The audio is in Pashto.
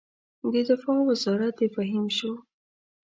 د دفاع وزارت د فهیم شو.